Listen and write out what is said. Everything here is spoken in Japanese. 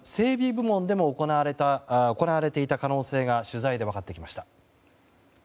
部門でも行われていた可能性が取材で分かってきました。